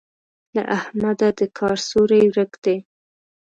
له احمده د کار سوری ورک دی.